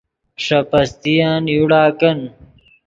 ݰے پستین یوڑا کن